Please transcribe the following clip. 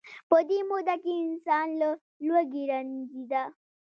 په دې موده کې انسان له لوږې رنځیده.